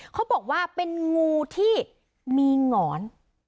เขาบอกว่าเป็นงูที่มีหงอน